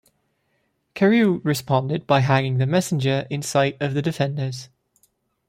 Carew responded by hanging the messenger in sight of the defenders.